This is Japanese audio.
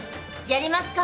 やりますか。